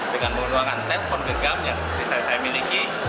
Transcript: dengan pengurangan telepon gegam yang seperti yang saya miliki